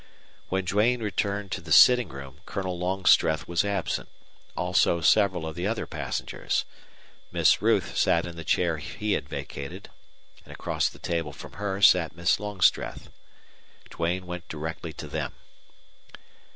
When Duane returned to the sitting room Colonel Longstreth was absent, also several of the other passengers. Miss Ruth sat in the chair he had vacated, and across the table from her sat Miss Longstreth. Duane went directly to them.